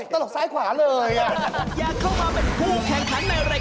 รถชวนไม่กลัวกลัวรถอะไรอย่างนี่